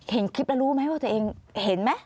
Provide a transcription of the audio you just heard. เห็นคลิปแล้วรู้ไหมว่าตัวเองเห็นไหม